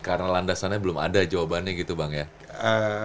karena landasannya belum ada jawabannya gitu bang ya